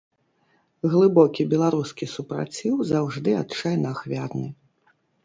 Глыбокі беларускі супраціў заўжды адчайна ахвярны.